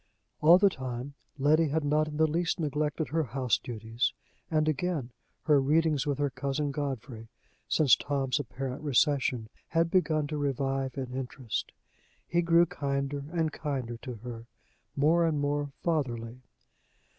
All the time, Letty had not in the least neglected her houseduties; and, again, her readings with her cousin Godfrey, since Tom's apparent recession, had begun to revive in interest. He grew kinder and kinder to her, more and more fatherly.